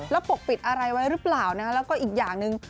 แล้วปกปิดอะไรไว้หรือเปล่านะแล้วก็อีกอย่างหนึ่ง